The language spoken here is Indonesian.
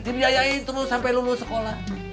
dibiayain terus sampai lulus sekolah